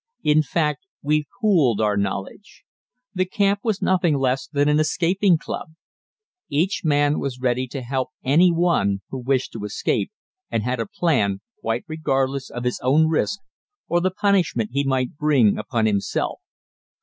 In fact, we pooled our knowledge. The camp was nothing less than an escaping club. Each man was ready to help any one who wished to escape and had a plan, quite regardless of his own risk or the punishment he might bring upon himself.